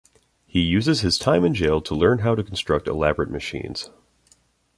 He uses his time in jail to learn how to construct elaborate machines.